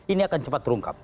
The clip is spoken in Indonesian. ini akan cepat terungkap